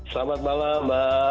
selamat malam mbak